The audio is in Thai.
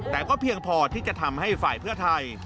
แต่ก็เพียงพอที่จะทำให้ฝ่ายเพื่อไทย